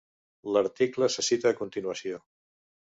L'article se cita a continuació.